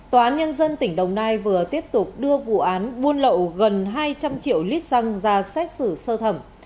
tòa án nhân dân tỉnh đồng nai vừa tiếp tục đưa vụ án buôn lậu gần hai trăm linh triệu lít xăng ra xét xử sơ thẩm